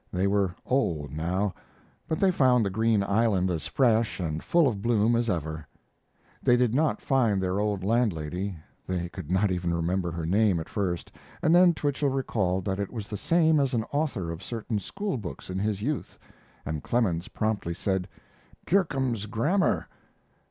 They were old now, but they found the green island as fresh and full of bloom as ever. They did not find their old landlady; they could not even remember her name at first, and then Twichell recalled that it was the same as an author of certain schoolbooks in his youth, and Clemens promptly said, "Kirkham's Grammar."